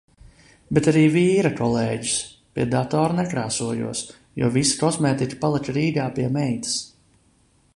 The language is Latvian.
Bet arī vīra kolēģus. Pie datora nekrāsojos, jo visa kosmētika palika Rīgā pie meitas.